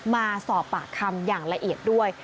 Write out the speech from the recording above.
มาสอบปากคำอย่างละเอียดด้วย